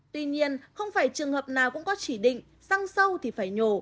tuy nhiên không phải trường hợp nào cũng có chỉ định xăng sâu thì phải nhổ